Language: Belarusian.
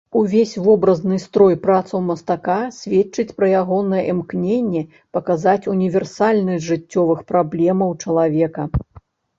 Увесь вобразны строй працаў мастака сведчыць пра ягонае імкненне паказаць універсальнасць жыццёвых праблемаў чалавека.